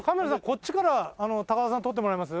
こっちから高田さん撮ってもらえます？